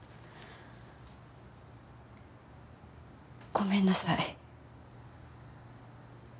ごめんなさい。